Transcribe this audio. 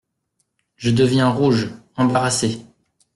Je deviens rouge, embarrassée…